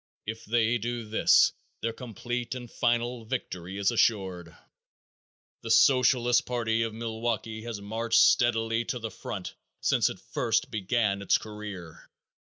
If they do this their complete and final victory is assured. The Socialist party of Milwaukee has marched steadily to the front since it first began its career.